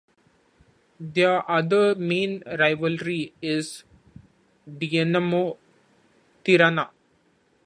Their other main rivalry is with Dinamo Tirana.